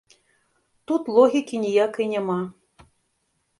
Тут логікі ніякай няма.